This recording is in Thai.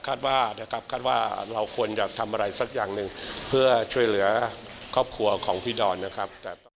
ว่านะครับคาดว่าเราควรอยากทำอะไรสักอย่างหนึ่งเพื่อช่วยเหลือครอบครัวของพี่ดอนนะครับ